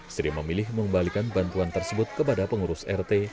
sri memilih mengembalikan bantuan tersebut kepada pengurus rt